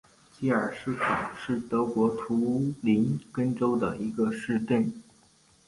基尔施考是德国图林根州的一个市镇。